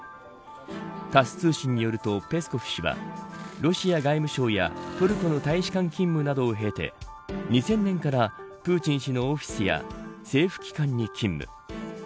タス通信によると、ペスコフ氏はロシア外務省やトルコの大使館勤務などを経て２０００年からプーチン氏のオフィスや政府機関に勤務。